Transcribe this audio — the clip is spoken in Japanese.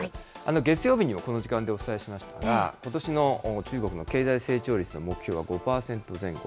月曜日にもこの時間でお伝えしましたが、ことしの中国の経済成長率の目標は５％前後。